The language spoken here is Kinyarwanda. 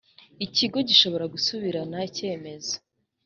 ikigo gishobora gusubirana icyemezo